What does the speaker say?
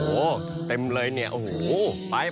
โอ้โหเต็มเลยเนี่ยโอ้โหไป